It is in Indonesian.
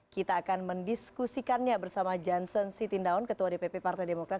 kita akan mendiskusikannya bersama johnson sitindaun ketua dpp partai demokrat